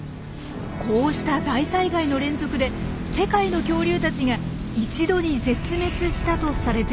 こうした大災害の連続で世界の恐竜たちが一度に絶滅したとされているんです。